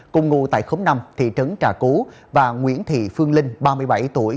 cùng ngủ tại khống năm thị trấn trà cứu và nguyễn thị phương linh ba mươi bảy tuổi